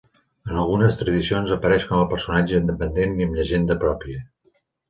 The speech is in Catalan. En algunes tradicions apareix com a personatge independent i amb llegenda pròpia.